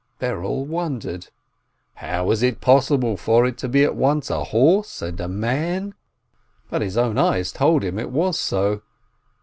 Berel wondered: how is it possible for it to be at once a horse and a man? But his own eyes told him it was so.